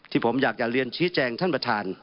ที่ผมอยากจะเรียนชี้แจงท่านประธาน